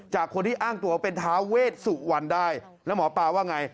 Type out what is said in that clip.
คนที่อ้างตัวเป็นท้าเวชสุวรรณได้แล้วหมอปลาว่าไง